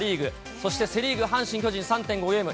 そしてセ・リーグ、阪神、巨人、３．５ゲーム。